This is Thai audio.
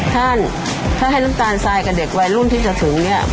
ท่านถ้าให้น้ำตาลทรายกับเด็กวัยรุ่นที่จะถึงเนี่ย